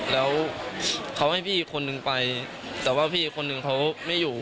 แล้วเขาให้พี่อีกคนนึงไปแต่ว่าพี่คนหนึ่งเขาไม่อยู่